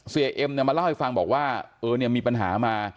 เอ็มเนี่ยมาเล่าให้ฟังบอกว่าเออเนี่ยมีปัญหามา